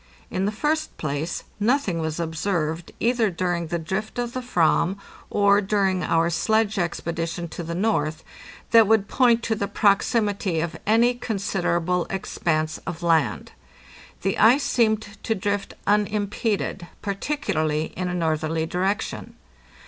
In the first place, nothing was observed, either during the drift 708 APPENDIX of the Ayam or during our sledge expedition to the north, that would point to the proximity of any considerable expanse of land; the ice seemed to drift unimpeded, particularly in a northerly direction.